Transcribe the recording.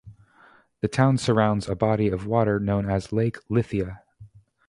The town surrounds a body of water known as Lake Lithia.